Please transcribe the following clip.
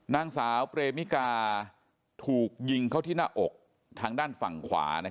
นางสาวเปรมิกาถูกยิงเข้าที่หน้าอกทางด้านฝั่งขวา